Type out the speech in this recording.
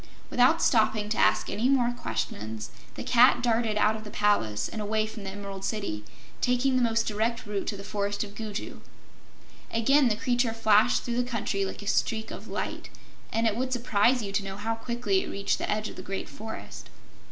Without stopping to ask any more questions the Cat darted out of the palace and away from the Emerald City, taking the most direct route to the Forest of Gugu. Again the creature flashed through the country like a streak of light, and it would surprise you to know how quickly it reached the edge of the Great Forest.